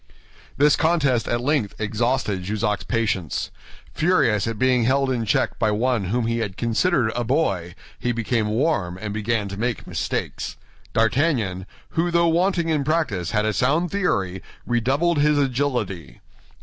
This contest at length exhausted Jussac's patience. Furious at being held in check by one whom he had considered a boy, he became warm and began to make mistakes. D'Artagnan, who though wanting in practice had a sound theory, redoubled his agility.